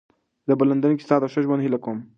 زه به په لندن کې ستا د ښه ژوند هیله کوم.